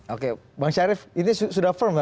oke bang syarif ini sudah firm nggak